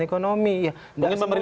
menurung percepatan pertumbuhan ekonomi